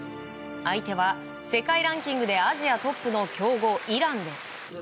相手は世界ランキングでアジアトップの強豪イランです。